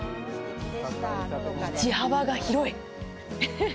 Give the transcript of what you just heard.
道幅が広い。